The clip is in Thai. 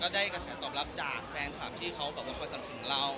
ก็ได้กระแสตอบรับจากแฟนคลับที่เขาบอกว่าคนสำคัญเรา